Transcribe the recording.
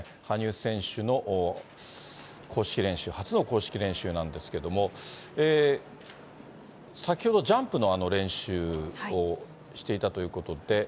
羽生選手の公式練習、初の公式練習なんですけれども、先ほどジャンプの練習をしていたということで。